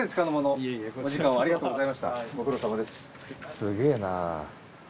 すげえなぁ。